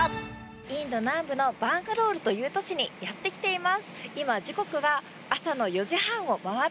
インド南部のバンガロールという都市にやってきています。